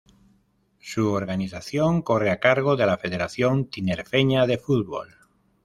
Su organización corre a cargo de la Federación Tinerfeña de Fútbol.